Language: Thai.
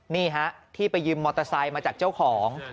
นี่ฮะที่ไปยืมมอเตอร์ไซค์มาจากเจ้าของ